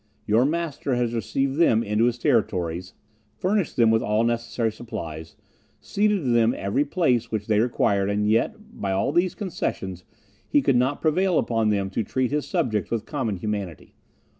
"Your master has received them into his territories, furnished them with all necessary supplies, ceded to them every place which they required, and yet, by all these concessions, he could not prevail upon them to treat his subjects with common humanity.